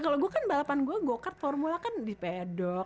kalau gue kan balapan gue go kart formula kan di pedok